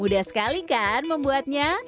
udah sekali kan membuatnya